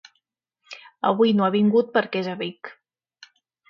Avui no ha vingut perquè és a Vic.